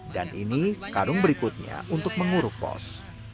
dan ini karung berikutnya untuk menguruk pos